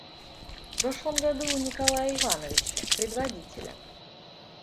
В прошлом году у Николая Ивановича, предводителя.